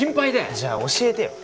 じゃあ教えてよ。